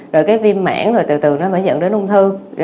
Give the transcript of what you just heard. rồi cái viêm mãn rồi từ từ nó mới dẫn đến ung thư